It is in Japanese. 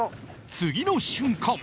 次の瞬間！